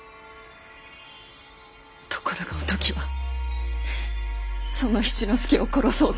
ところがおトキはその七之助を殺そうと。